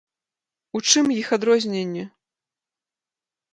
У чым іх адрозненні?